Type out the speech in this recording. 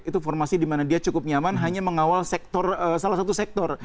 itu formasi dimana dia cukup nyaman hanya mengawal salah satu sektor